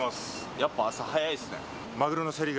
やっぱ朝早いですね。